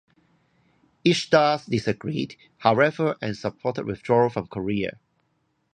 Ishida disagreed, however, and supported withdrawal from Korea.